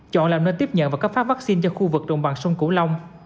chọn làm nơi tiếp nhận và cấp phát vaccine cho khu vực đồng bằng sông cửu long